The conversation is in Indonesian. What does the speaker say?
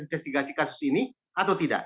investigasi kasus ini atau tidak